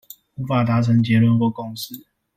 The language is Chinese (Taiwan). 無法達成結論或共識